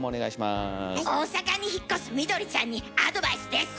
大阪に引っ越すミドリちゃんにアドバイスです。